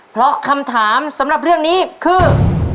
เพราะคำถามสำหรับเรื่องนี้คือ